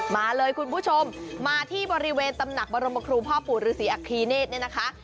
มาเลยคุณผู้ชมมาที่บริเวณตำหนักบรมครูพ่อปู่ฤษีอัคคีเนธเนี่ยนะคะ